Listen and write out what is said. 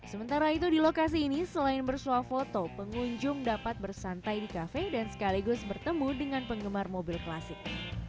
sementara itu di lokasi ini selain bersuah foto pengunjung dapat bersantai di kafe dan sekaligus bertemu dengan penggemar mobil klasik